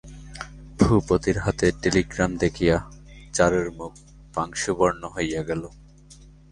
ভূপতির হাতে টেলিগ্রাম দেখিয়া চারুর মুখ পাংশুবর্ণ হইয়া গেল।